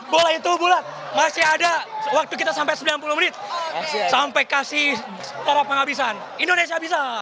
bola itu bulat masih ada waktu kita sampai sembilan puluh menit sampai kasih torap penghabisan indonesia bisa